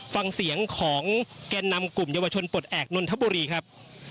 ฟังเสียงของแกนนำกลุ่มเยาวชนปลดแอบนนทบุรีครับ